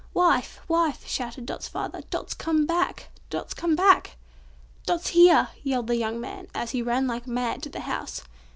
"Wife! wife!" shouted Dot's father, "Dot's come back! Dot's come back!" "Dot's here!" yelled the young man, as he ran like mad to the house.